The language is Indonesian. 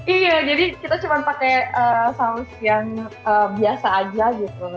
iya jadi kita cuma pakai saus yang biasa aja gitu